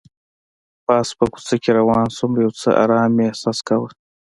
پاس په کوڅه کې روان شوم، یو څه ارام مې احساس کاوه.